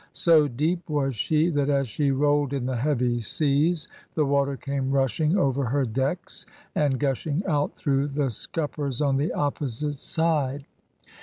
So deep was she, that as she rolled in the heavy seas, the water came rushing over her decks, and gushing out through the scuppers on the opposite side.